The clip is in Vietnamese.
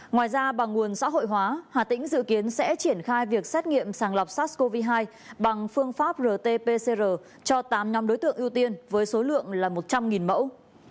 ngoài ra bằng nguồn xã hội hóa hà tĩnh dự kiến sẽ triển khai việc xét nghiệm sàng lọc sars cov hai bằng phương pháp rt pcr cho tám nhóm đối tượng ưu tiên với số lượng là một trăm linh mẫu